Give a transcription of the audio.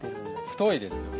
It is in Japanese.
太いですよね。